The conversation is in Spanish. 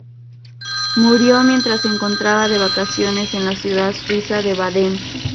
Murió mientras se encontraba de vacaciones en la ciudad suiza de Baden.